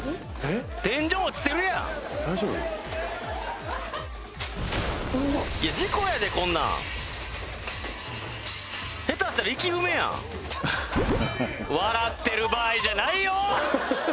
天井落ちてるやん事故やでこんなんヘタしたら生き埋めやん笑ってる場合じゃないよー！